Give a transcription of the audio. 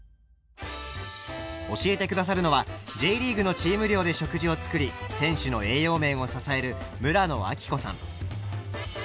教えて下さるのはＪリーグのチーム寮で食事を作り選手の栄養面を支える村野明子さん。